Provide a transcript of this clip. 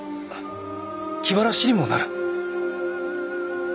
気晴らしにもなる。